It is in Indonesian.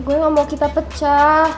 gue gak mau kita pecah